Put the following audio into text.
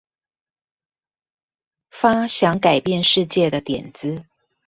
發想改變世界的點子